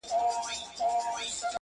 و مُلا ته، و پاچا ته او سره یې تر غلامه,